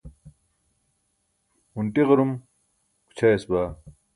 hunṭi ġar-um gućhayas baa